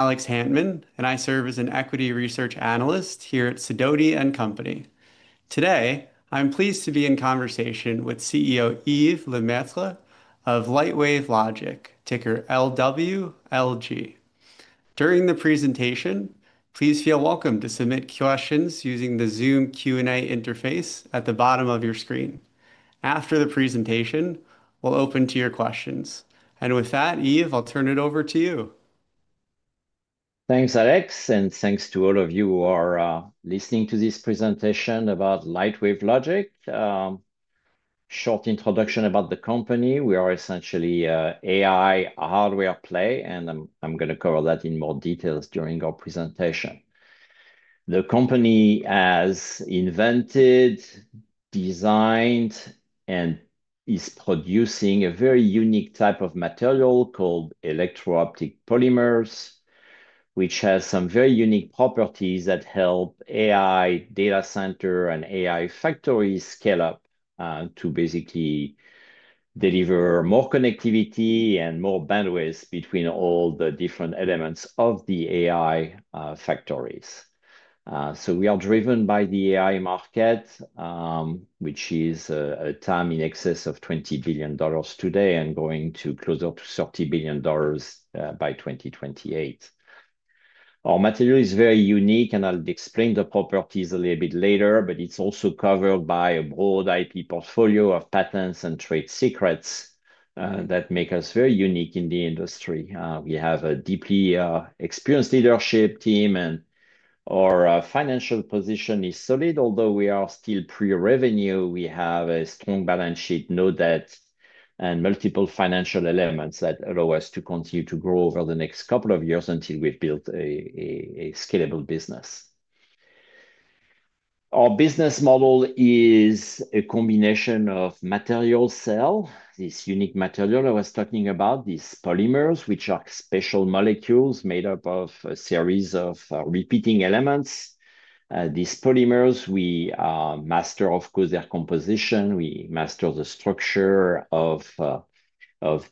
Alex Hantman, and I serve as an Equity Research Analyst here at Sidoti & Company. Today, I'm pleased to be in conversation with CEO Yves LeMaitre of Lightwave Logic, ticker LWLG. During the presentation, please feel welcome to submit questions using the Zoom Q&A interface at the bottom of your screen. After the presentation, we'll open to your questions. Yves, I'll turn it over to you. Thanks, Alex, and thanks to all of you who are listening to this presentation about Lightwave Logic. Short introduction about the company: we are essentially an AI hardware play, and I'm going to cover that in more detail during our presentation. The company has invented, designed, and is producing a very unique type of material called Electro-Optic polymers, which has some very unique properties that help AI data centers and AI factories scale up to basically deliver more connectivity and more bandwidth between all the different elements of the AI factories. We are driven by the AI market, which is a TAM in excess of $20 billion today and going to closer to $30 billion by 2028. Our material is very unique, and I'll explain the properties a little bit later, but it's also covered by a broad IP portfolio of patents and trade secrets that make us very unique in the industry. We have a deeply experienced leadership team, and our financial position is solid. Although we are still pre-revenue, we have a strong balance sheet, no debt, and multiple financial elements that allow us to continue to grow over the next couple of years until we've built a scalable business. Our business model is a combination of material sales, this unique material I was talking about, these polymers, which are special molecules made up of a series of repeating elements. These polymers, we master, of course, their composition. We master the structure of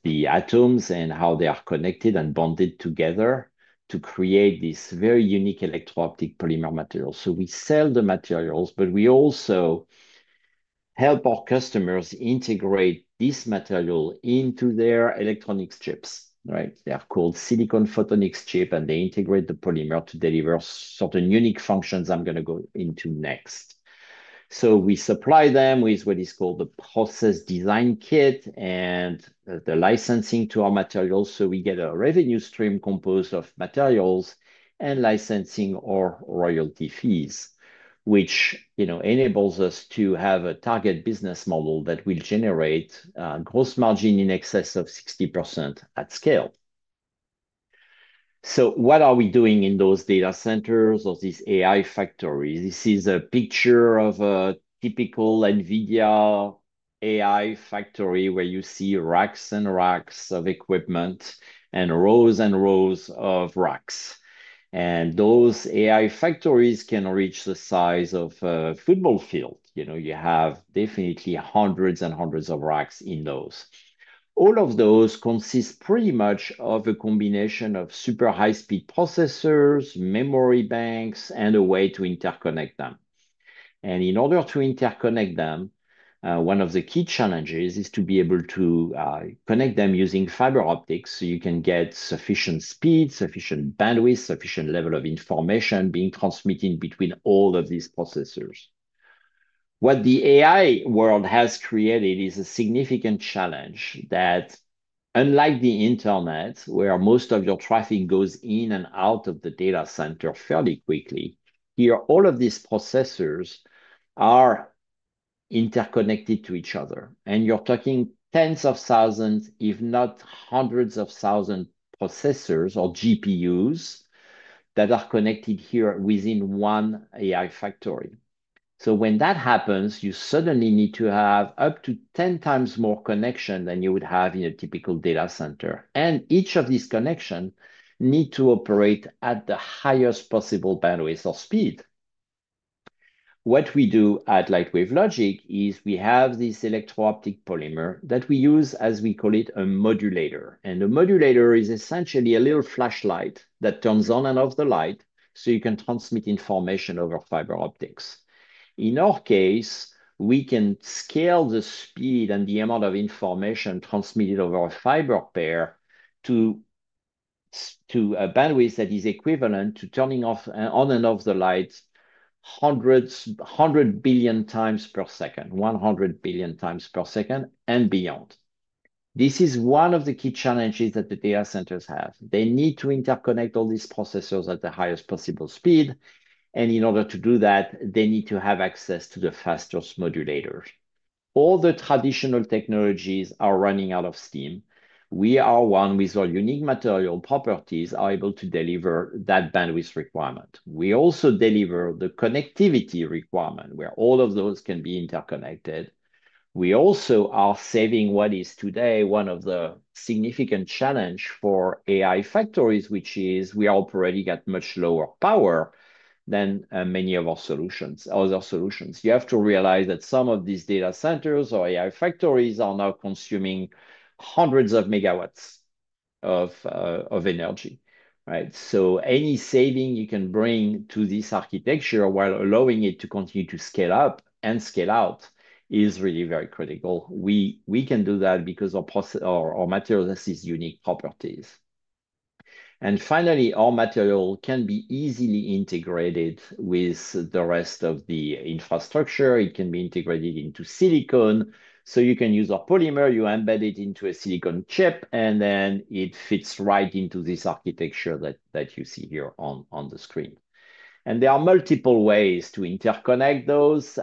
the atoms and how they are connected and bonded together to create this very unique Electro-Optic polymer material. We sell the materials, but we also help our customers integrate this material into their electronics chips. They are called Silicon Photonics chips, and they integrate the polymer to deliver certain unique functions I am going to go into next. We supply them with what is called the Process Design Kit and the licensing to our materials. We get a revenue stream composed of materials and licensing or royalty fees, which enables us to have a target business model that will generate gross margin in excess of 60% at scale. What are we doing in those data centers or these AI factories? This is a picture of a typical NVIDIA AI factory where you see racks and racks of equipment and rows and rows of racks. Those AI factories can reach the size of a football field. You have definitely hundreds and hundreds of racks in those. All of those consist pretty much of a combination of super high-speed processors, memory banks, and a way to interconnect them. In order to interconnect them, one of the key challenges is to be able to connect them using fiber optics so you can get sufficient speed, sufficient bandwidth, sufficient level of information being transmitted between all of these processors. What the AI world has created is a significant challenge that, unlike the internet, where most of your traffic goes in and out of the data center fairly quickly, here, all of these processors are interconnected to each other. You're talking tens of thousands, if not hundreds of thousands of processors or GPUs that are connected here within one AI factory. When that happens, you suddenly need to have up to 10x more connection than you would have in a typical data center. Each of these connections needs to operate at the highest possible bandwidth or speed. What we do at Lightwave Logic is we have this Electro-Optic polymer that we use as we call it a modulator. The modulator is essentially a little flashlight that turns on and off the light so you can transmit information over fiber optics. In our case, we can scale the speed and the amount of information transmitted over a fiber pair to a bandwidth that is equivalent to turning on and off the lights 100 billion times per second, 100 billion times per second, and beyond. This is one of the key challenges that the data centers have. They need to interconnect all these processors at the highest possible speed. In order to do that, they need to have access to the fastest modulators. All the traditional technologies are running out of steam. We are one with our unique material properties that are able to deliver that bandwidth requirement. We also deliver the connectivity requirement where all of those can be interconnected. We also are saving what is today one of the significant challenges for AI factories, which is we are operating at much lower power than many of our other solutions. You have to realize that some of these data centers or AI factories are now consuming hundreds of megawatts of energy. Any saving you can bring to this architecture while allowing it to continue to scale up and scale out is really very critical. We can do that because our material has these unique properties. Finally, our material can be easily integrated with the rest of the infrastructure. It can be integrated into silicon. You can use our polymer. You embed it into a silicon chip, and then it fits right into this architecture that you see here on the screen. There are multiple ways to interconnect those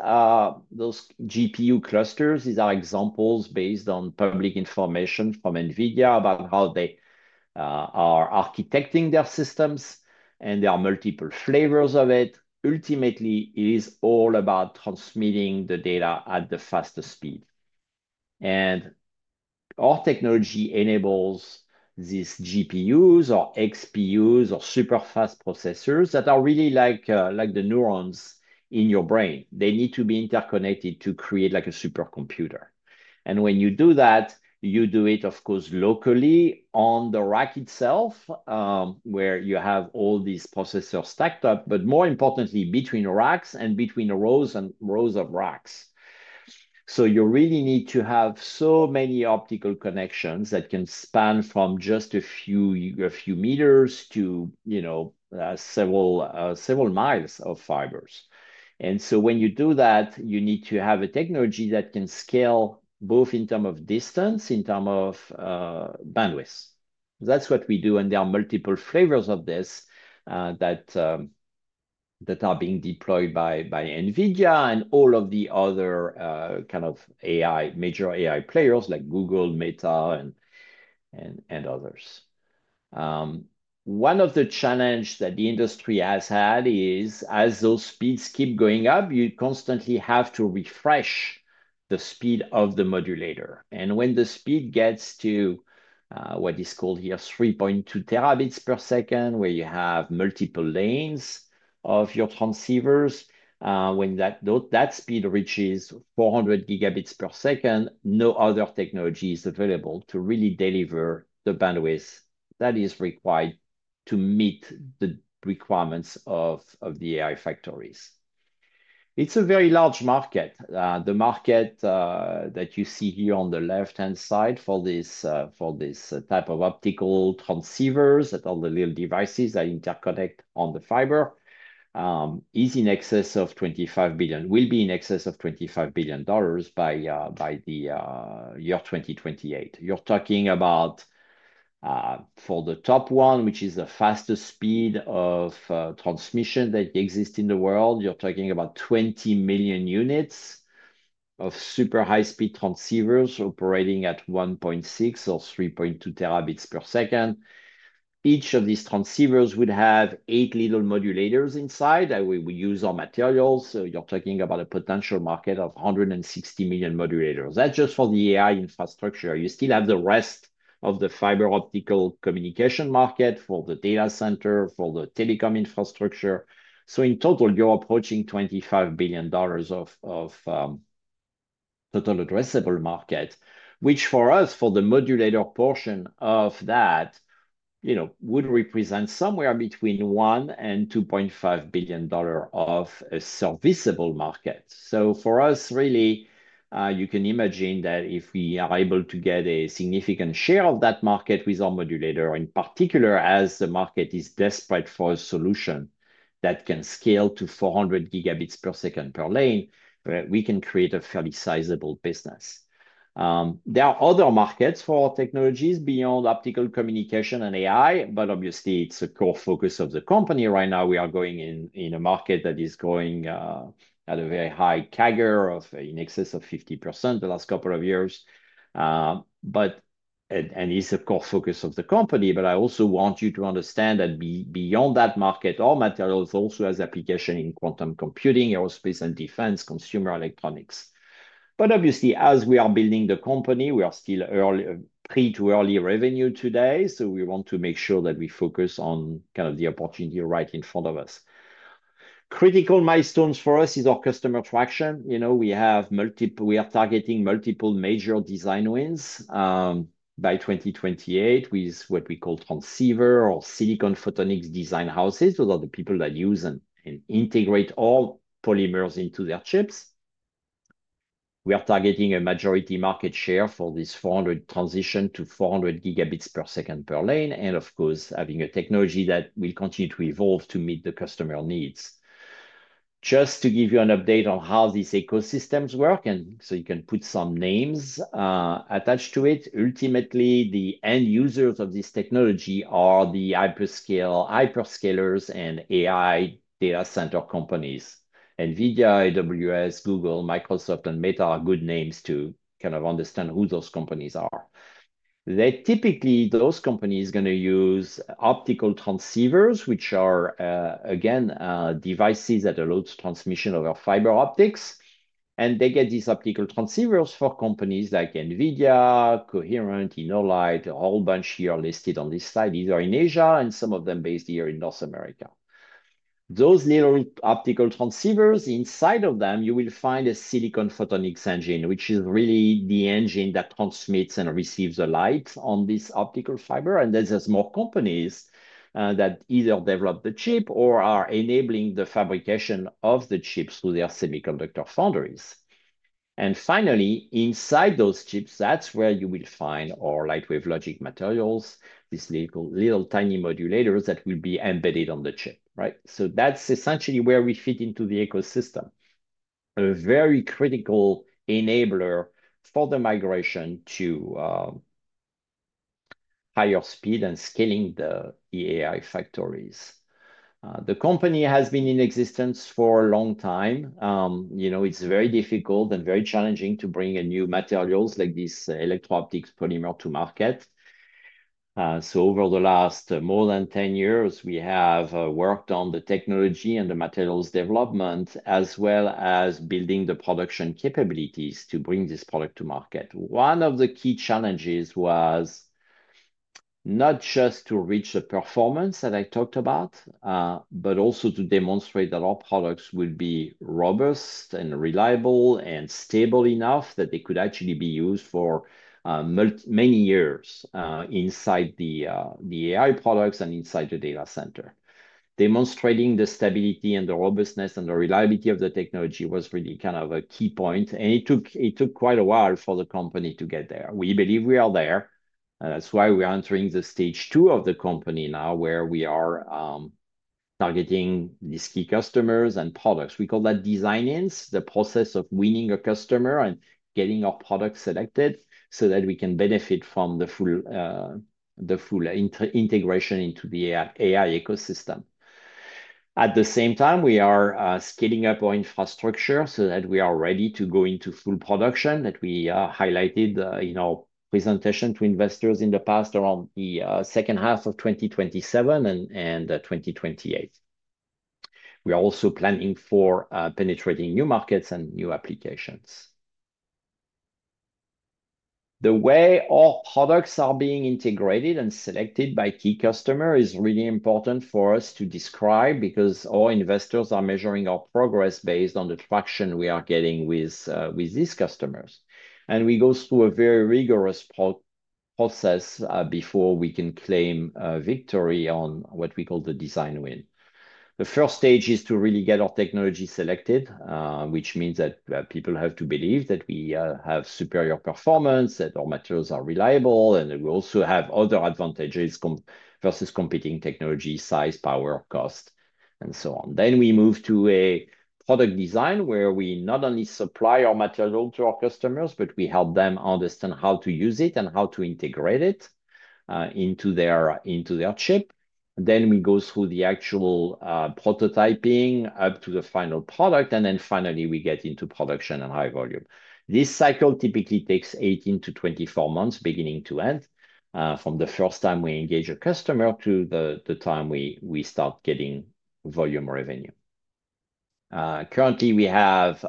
GPU clusters. These are examples based on public information from NVIDIA about how they are architecting their systems. There are multiple flavors of it. Ultimately, it is all about transmitting the data at the fastest speed. Our technology enables these GPUs or XPUs or super fast processors that are really like the neurons in your brain. They need to be interconnected to create like a supercomputer. When you do that, you do it, of course, locally on the rack itself, where you have all these processors stacked up, but more importantly, between racks and between rows and rows of racks. You really need to have so many optical connections that can span from just a few meters to several miles of fibers. When you do that, you need to have a technology that can scale both in terms of distance, in terms of bandwidth. That's what we do. There are multiple flavors of this that are being deployed by NVIDIA and all of the other kind of major AI players like Google, Meta, and others. One of the challenges that the industry has had is, as those speeds keep going up, you constantly have to refresh the speed of the modulator. When the speed gets to what is called here 3.2 Tbps, where you have multiple lanes of your transceivers, when that speed reaches 400 Gbps, no other technology is available to really deliver the bandwidth that is required to meet the requirements of the AI factories. It is a very large market. The market that you see here on the left-hand side for this type of optical transceivers, all the little devices that interconnect on the fiber, is in excess of $25 billion, will be in excess of $25 billion by the year 2028. You are talking about, for the top one, which is the fastest speed of transmission that exists in the world, you are talking about 20 million units of super high-speed transceivers operating at 1.6 or 3.2 Tbps. Each of these transceivers would have eight little modulators inside that we would use our materials. You're talking about a potential market of 160 million modulators. That's just for the AI infrastructure. You still have the rest of the fiber optical communication market for the data center, for the telecom infrastructure. In total, you're approaching $25 billion of total addressable market, which for us, for the modulator portion of that, would represent somewhere between $1 billion and $2.5 billion of a serviceable market. For us, really, you can imagine that if we are able to get a significant share of that market with our modulator, in particular, as the market is desperate for a solution that can scale to 400 Gbps per lane, we can create a fairly sizable business. There are other markets for our technologies beyond optical communication and AI, but obviously, it's a core focus of the company right now. We are going in a market that is growing at a very high CAGR of in excess of 50% the last couple of years. It's a core focus of the company. I also want you to understand that beyond that market, our materials also have applications in quantum computing, aerospace and defense, consumer electronics. Obviously, as we are building the company, we are still pre to early revenue today. We want to make sure that we focus on kind of the opportunity right in front of us. Critical milestones for us is our customer traction. We are targeting multiple major design wins by 2028 with what we call transceiver or Silicon Photonics design houses. Those are the people that use and integrate all polymers into their chips. We are targeting a majority market share for this 400 transition to 400 Gbps per lane, and of course, having a technology that will continue to evolve to meet the customer needs. Just to give you an update on how these ecosystems work, and so you can put some names attached to it, ultimately, the end users of this technology are the hyperscalers and AI data center companies. NVIDIA, AWS, Google, Microsoft, and Meta are good names to kind of understand who those companies are. Typically, those companies are going to use optical transceivers, which are, again, devices that allow transmission over fiber optics. They get these optical transceivers for companies like NVIDIA, Coherent, InnoLight, a whole bunch here listed on this slide, either in Asia and some of them based here in North America. Those little optical transceivers, inside of them, you will find a Silicon Photonics engine, which is really the engine that transmits and receives the light on this optical fiber. There are more companies that either develop the chip or are enabling the fabrication of the chips through their semiconductor foundries. Finally, inside those chips, that is where you will find our Lightwave Logic materials, these little tiny modulators that will be embedded on the chip. That is essentially where we fit into the ecosystem, a very critical enabler for the migration to higher speed and scaling the AI factories. The company has been in existence for a long time. It's very difficult and very challenging to bring new materials like this Electro-Optic polymer to market. Over the last more than 10 years, we have worked on the technology and the materials development, as well as building the production capabilities to bring this product to market. One of the key challenges was not just to reach the performance that I talked about, but also to demonstrate that our products will be robust and reliable and stable enough that they could actually be used for many years inside the AI products and inside the data center. Demonstrating the stability and the robustness and the reliability of the technology was really kind of a key point. It took quite a while for the company to get there. We believe we are there. That's why we're entering the stage two of the company now, where we are targeting these key customers and products. We call that design ins, the process of winning a customer and getting our product selected so that we can benefit from the full integration into the AI ecosystem. At the same time, we are scaling up our infrastructure so that we are ready to go into full production that we highlighted in our presentation to investors in the past around the second half of 2027 and 2028. We are also planning for penetrating new markets and new applications. The way our products are being integrated and selected by key customers is really important for us to describe because our investors are measuring our progress based on the traction we are getting with these customers. We go through a very rigorous process before we can claim victory on what we call the design win. The first stage is to really get our technology selected, which means that people have to believe that we have superior performance, that our materials are reliable, and we also have other advantages versus competing technology, size, power, cost, and so on. We move to a product design where we not only supply our material to our customers, but we help them understand how to use it and how to integrate it into their chip. We go through the actual prototyping up to the final product, and finally, we get into production and high volume. This cycle typically takes 18-24 months beginning to end, from the first time we engage a customer to the time we start getting volume revenue. Currently, we have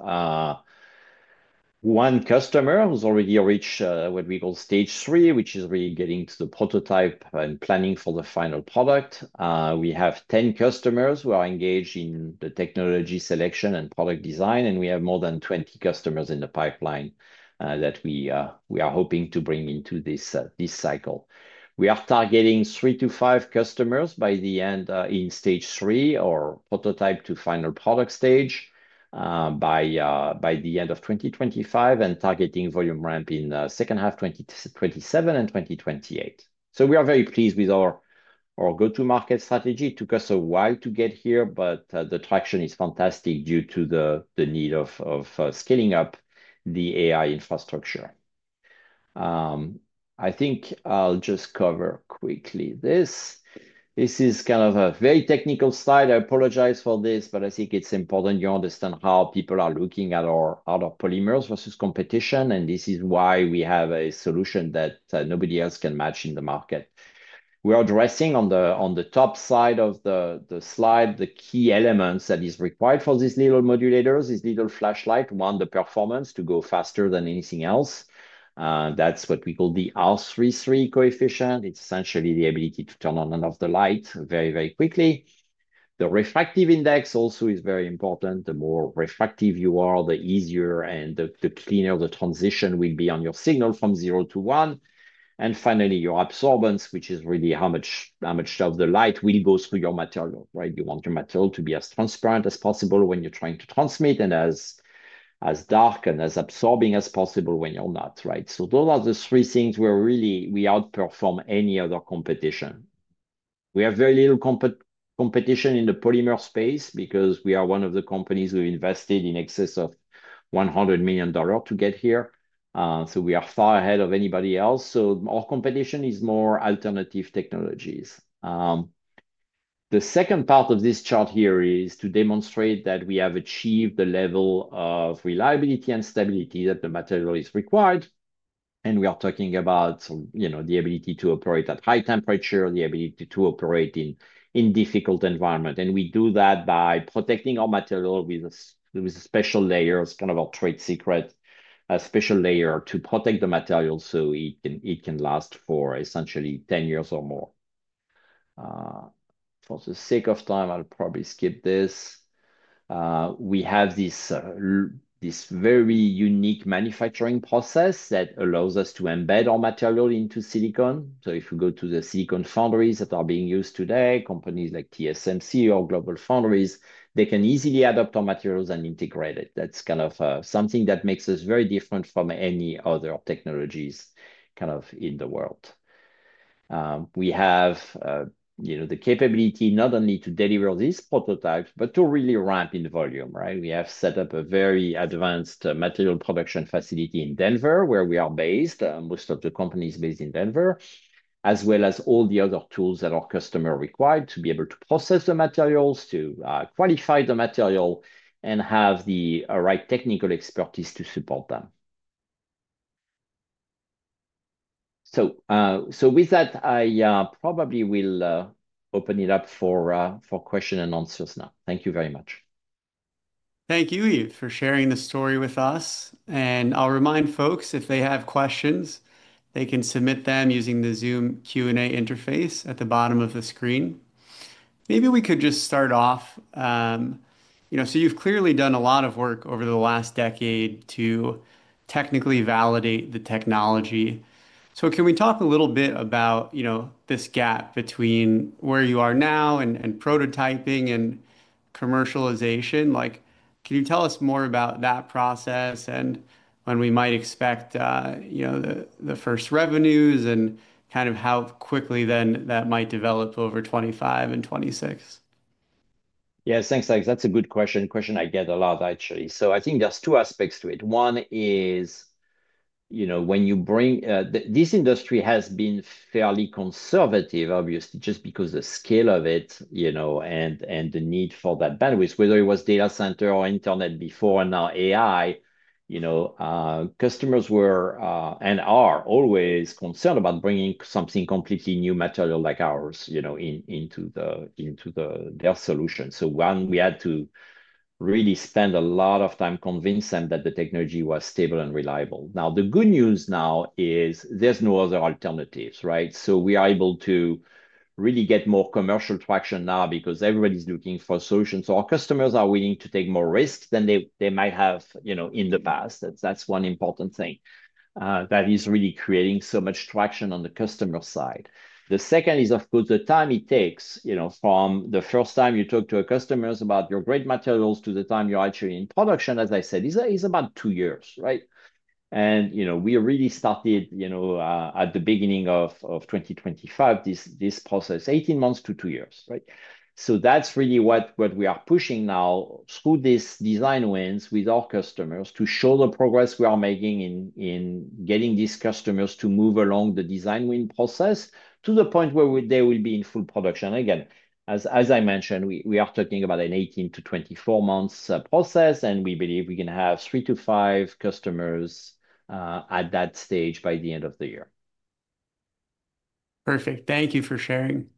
one customer who's already reached what we call stage three, which is really getting to the prototype and planning for the final product. We have 10 customers who are engaged in the technology selection and product design, and we have more than 20 customers in the pipeline that we are hoping to bring into this cycle. We are targeting three to five customers by the end in stage three or prototype to final product stage by the end of 2025 and targeting volume ramp in second half 2027 and 2028. We are very pleased with our go-to-market strategy. It took us a while to get here, but the traction is fantastic due to the need of scaling up the AI infrastructure. I think I'll just cover quickly this. This is kind of a very technical slide. I apologize for this, but I think it's important you understand how people are looking at our polymers versus competition, and this is why we have a solution that nobody else can match in the market. We are addressing on the top side of the slide the key elements that are required for these little modulators, these little flashlights. One, the performance to go faster than anything else. That's what we call the R33 coefficient. It's essentially the ability to turn on and off the light very, very quickly. The refractive index also is very important. The more refractive you are, the easier and the cleaner the transition will be on your signal from zero to one. Finally, your absorbance, which is really how much of the light will go through your material. You want your material to be as transparent as possible when you're trying to transmit and as dark and as absorbing as possible when you're not. Those are the three things where really we outperform any other competition. We have very little competition in the polymer space because we are one of the companies who invested in excess of $100 million to get here. We are far ahead of anybody else. Our competition is more alternative technologies. The second part of this chart here is to demonstrate that we have achieved the level of reliability and stability that the material is required. We are talking about the ability to operate at high temperature, the ability to operate in difficult environments. We do that by protecting our material with special layers, kind of our trade secret special layer to protect the material so it can last for essentially 10 years or more. For the sake of time, I'll probably skip this. We have this very unique manufacturing process that allows us to embed our material into silicon. If you go to the silicon foundries that are being used today, companies like TSMC or GlobalFoundries, they can easily adopt our materials and integrate it. That's kind of something that makes us very different from any other technologies kind of in the world. We have the capability not only to deliver these prototypes, but to really ramp in volume. We have set up a very advanced material production facility in Denver, where we are based. Most of the company is based in Denver, as well as all the other tools that our customers require to be able to process the materials, to qualify the material, and have the right technical expertise to support them. With that, I probably will open it up for questions and answers now. Thank you very much. Thank you, Yves, for sharing the story with us. I'll remind folks, if they have questions, they can submit them using the Zoom Q&A interface at the bottom of the screen. Maybe we could just start off. You've clearly done a lot of work over the last decade to technically validate the technology. Can we talk a little bit about this gap between where you are now and prototyping and commercialization? Can you tell us more about that process and when we might expect the first revenues and kind of how quickly then that might develop over 2025 and 2026? Yes, thanks, Alex. That's a good question. Question I get a lot, actually. I think there's two aspects to it. One is when you bring this industry has been fairly conservative, obviously, just because of the scale of it and the need for that bandwidth. Whether it was data center or internet before and now AI, customers were and are always concerned about bringing something completely new material like ours into their solution. One, we had to really spend a lot of time convincing them that the technology was stable and reliable. The good news now is there's no other alternatives. We are able to really get more commercial traction now because everybody's looking for solutions. Our customers are willing to take more risks than they might have in the past. That's one important thing that is really creating so much traction on the customer side. The second is, of course, the time it takes from the first time you talk to your customers about your great materials to the time you're actually in production, as I said, is about two years. We really started at the beginning of 2025, this process, 18 months to two years. That's really what we are pushing now through these design wins with our customers to show the progress we are making in getting these customers to move along the design win process to the point where they will be in full production. Again, as I mentioned, we are talking about an 18-24 months process, and we believe we can have three to five customers at that stage by the end of the year. Perfect. Thank you for sharing.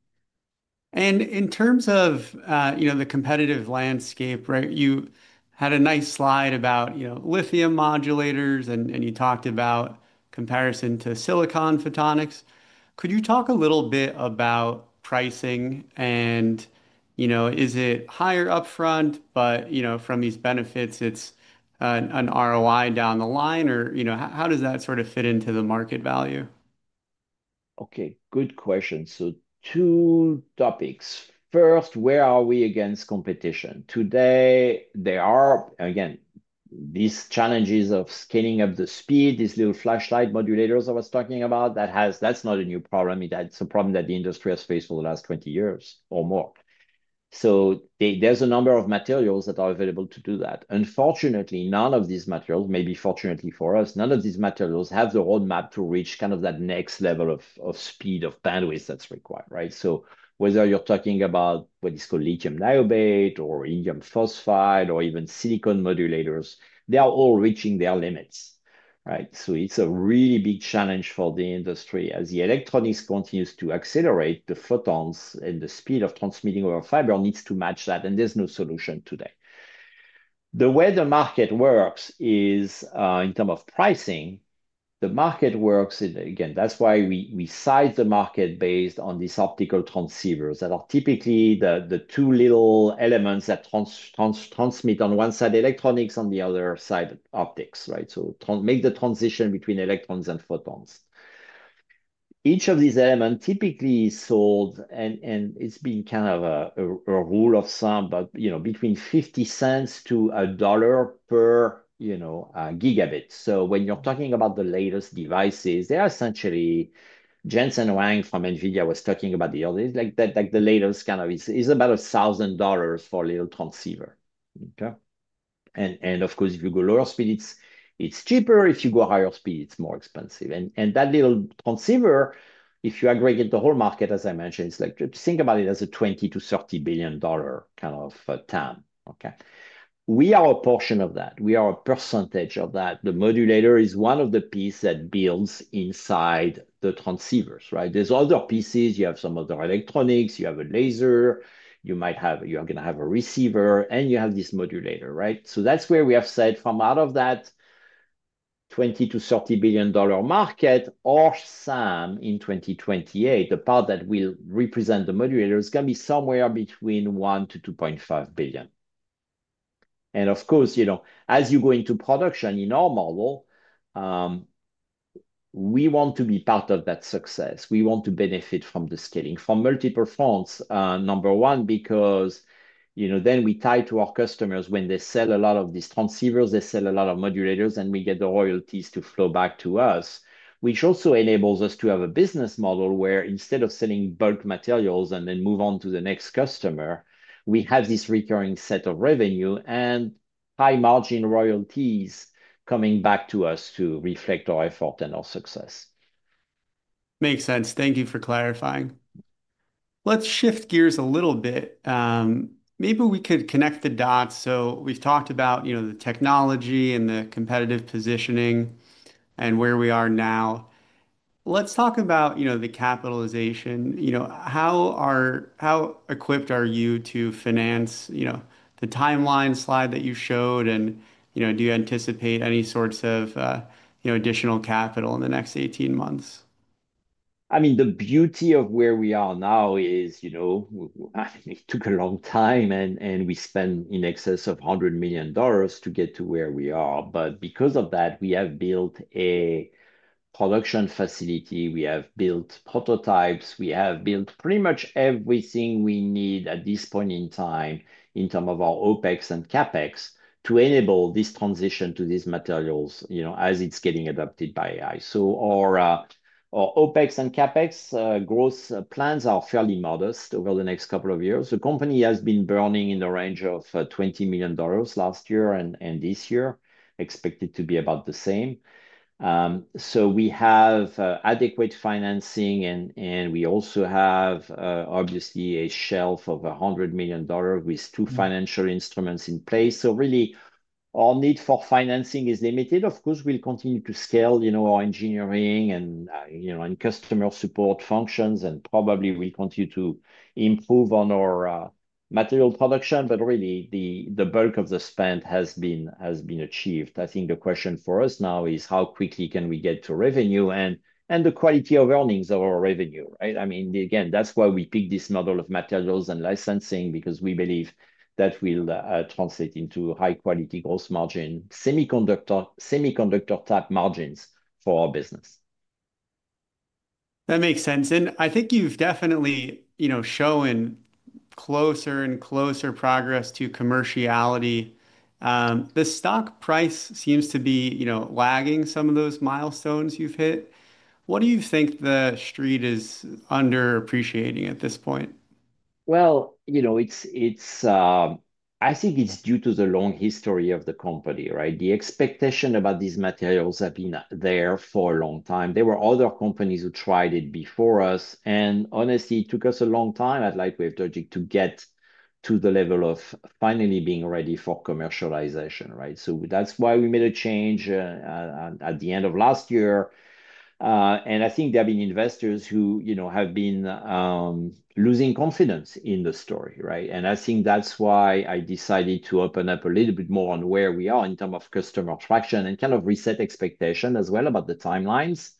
In terms of the competitive landscape, you had a nice slide about lithium modulators, and you talked about comparison to Silicon Photonics. Could you talk a little bit about pricing? Is it higher upfront, but from these benefits, it is an ROI down the line? How does that sort of fit into the market value? Okay, good question. Two topics. First, where are we against competition? Today, there are, again, these challenges of scaling up the speed, these little flashlight modulators I was talking about. That is not a new problem. It is a problem that the industry has faced for the last 20 years or more. There is a number of materials that are available to do that. Unfortunately, none of these materials, maybe fortunately for us, none of these materials have the roadmap to reach kind of that next level of speed of bandwidth that is required. Whether you are talking about what is called lithium niobate or indium phosphide or even silicon modulators, they are all reaching their limits. It is a really big challenge for the industry. As the electronics continues to accelerate, the photons and the speed of transmitting over fiber needs to match that, and there is no solution today. The way the market works is in terms of pricing, the market works, again, that is why we size the market based on these optical transceivers that are typically the two little elements that transmit on one side, electronics, on the other side, optics. They make the transition between electrons and photons. Each of these elements typically sold, and it's been kind of a rule of thumb, but between 50 cents to a dollar per gigabit. When you're talking about the latest devices, they are essentially Jensen Huang from NVIDIA was talking about the old days. The latest kind of is about $1,000 for a little transceiver. Of course, if you go lower speed, it's cheaper. If you go higher speed, it's more expensive. That little transceiver, if you aggregate the whole market, as I mentioned, it's like to think about it as a $20 billion-$30 billion kind of tan. We are a portion of that. We are a percentage of that. The modulator is one of the pieces that builds inside the transceivers. There's other pieces. You have some other electronics. You have a laser. You might have, you're going to have a receiver, and you have this modulator. That is where we have said from out of that $20 billion-$30 billion market or some in 2028, the part that will represent the modulator is going to be somewhere between $1 billion and $2.5 billion. Of course, as you go into production in our model, we want to be part of that success. We want to benefit from the scaling from multiple fronts. Number one, because then we tie to our customers when they sell a lot of these transceivers, they sell a lot of modulators, and we get the royalties to flow back to us, which also enables us to have a business model where instead of selling bulk materials and then move on to the next customer, we have this recurring set of revenue and high margin royalties coming back to us to reflect our effort and our success. Makes sense. Thank you for clarifying. Let's shift gears a little bit. Maybe we could connect the dots. So we've talked about the technology and the competitive positioning and where we are now. Let's talk about the capitalization. How equipped are you to finance the timeline slide that you showed? And do you anticipate any sorts of additional capital in the next 18 months? I mean, the beauty of where we are now is it took a long time, and we spent in excess of $100 million to get to where we are. But because of that, we have built a production facility. We have built prototypes. We have built pretty much everything we need at this point in time in terms of our OpEx and CapEx to enable this transition to these materials as it's getting adopted by AI. So our OpEx and CapEx growth plans are fairly modest over the next couple of years. The company has been burning in the range of $20 million last year and this year, expected to be about the same. So we have adequate financing, and we also have, obviously, a shelf of $100 million with two financial instruments in place. So really, our need for financing is limited. Of course, we'll continue to scale our engineering and customer support functions, and probably we'll continue to improve on our material production. I mean, really, the bulk of the spend has been achieved. I think the question for us now is how quickly can we get to revenue and the quality of earnings of our revenue. I mean, again, that's why we picked this model of materials and licensing because we believe that will translate into high-quality gross margin, semiconductor-type margins for our business. That makes sense. I think you've definitely shown closer and closer progress to commerciality. The stock price seems to be lagging some of those milestones you've hit. What do you think the street is underappreciating at this point? I think it's due to the long history of the company. The expectation about these materials has been there for a long time. There were other companies who tried it before us. Honestly, it took us a long time at Lightwave Logic to get to the level of finally being ready for commercialization. That is why we made a change at the end of last year. I think there have been investors who have been losing confidence in the story. I think that is why I decided to open up a little bit more on where we are in terms of customer traction and kind of reset expectations as well about the timelines.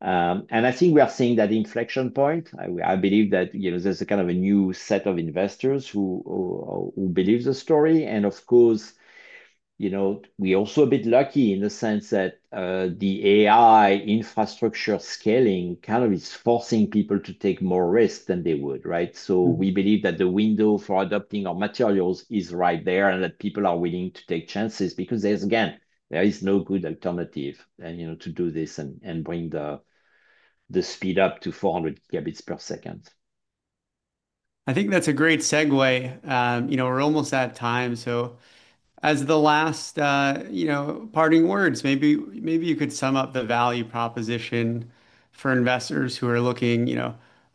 I think we are seeing that inflection point. I believe that there is a kind of a new set of investors who believe the story. Of course, we are also a bit lucky in the sense that the AI infrastructure scaling kind of is forcing people to take more risks than they would. We believe that the window for adopting our materials is right there and that people are willing to take chances because, again, there is no good alternative to do this and bring the speed up to 400 Gbps. I think that's a great segue. We're almost out of time. As the last parting words, maybe you could sum up the value proposition for investors who are looking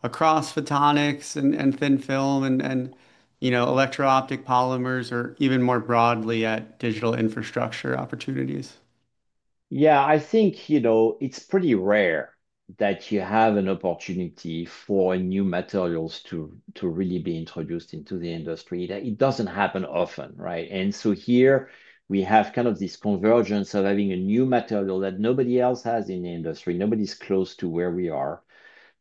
across photonics and thin film and Electro-Optic polymers or even more broadly at digital infrastructure opportunities. Yeah, I think it's pretty rare that you have an opportunity for new materials to really be introduced into the industry. It doesn't happen often. Here, we have kind of this convergence of having a new material that nobody else has in the industry. Nobody's close to where we are.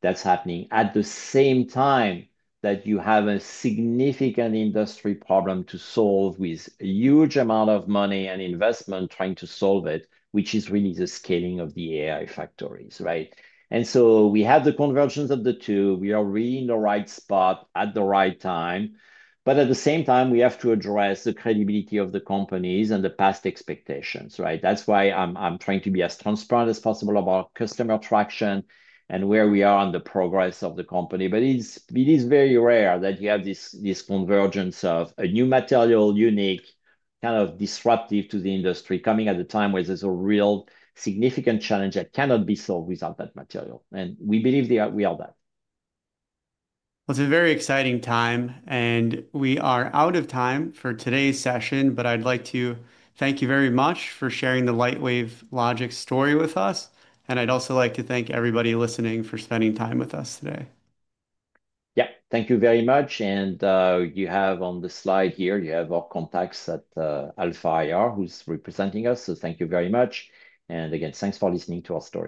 That's happening at the same time that you have a significant industry problem to solve with a huge amount of money and investment trying to solve it, which is really the scaling of the AI factories. We have the convergence of the two. We are really in the right spot at the right time. At the same time, we have to address the credibility of the companies and the past expectations. That's why I'm trying to be as transparent as possible about customer traction and where we are on the progress of the company. It is very rare that you have this convergence of a new material unique, kind of disruptive to the industry coming at a time where there's a real significant challenge that cannot be solved without that material. We believe we are that. It is a very exciting time. We are out of time for today's session, but I'd like to thank you very much for sharing the Lightwave Logic story with us. I'd also like to thank everybody listening for spending time with us today. Yeah, thank you very much. You have on the slide here, you have our contacts at Alpha IR who's representing us. Thank you very much. Again, thanks for listening to our story.